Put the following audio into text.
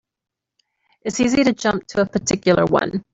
It's easy to jump to a particular one.